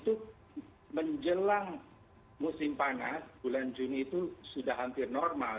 itu menjelang musim panas bulan juni itu sudah hampir normal